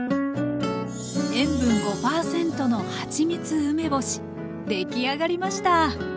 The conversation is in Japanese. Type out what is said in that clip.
塩分５％のはちみつ梅干し出来上がりました。